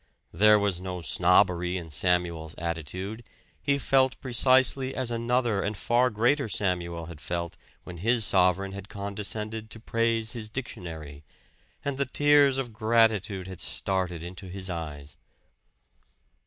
There was no snobbery in Samuel's attitude; he felt precisely as another and far greater Samuel had felt when his sovereign had condescended to praise his dictionary, and the tears of gratitude had started into his eyes.